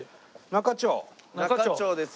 仲町です。